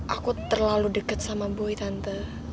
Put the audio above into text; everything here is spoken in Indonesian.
aku terlalu deket sama boy tante